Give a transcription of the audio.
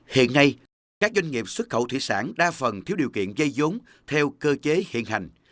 hiện nay các doanh nghiệp xuất khẩu thủy sản đa phần thiếu điều kiện dây giống theo cơ chế hiện hành